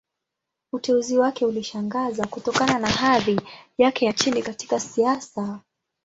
Uteuzi wake ulishangaza, kutokana na hadhi yake ya chini katika siasa.